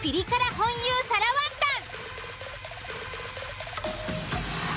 紅油皿ワンタン！